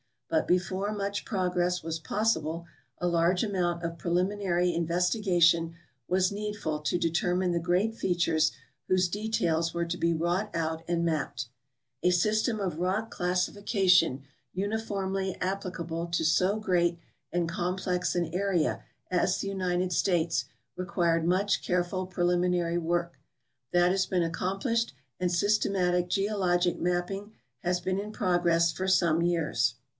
But before much progress was possible a large amount of preliminary investigation was needful to determine the great features whose details were to be wrought out and mapped. A system of rock classification uniformly applicable to so great and I 290 GEOGRAPHICAL RESEARCH IN THE UNITED STATES complex an area as the United States required much careful pre liminary work. That has been accomplished and systematic geologic mapping has been in progress for some years.